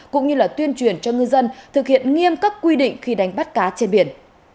cũng như tuyên truyền cho ngư dân thực hiện nghiêm các quy định khi đánh bắt cá trên biển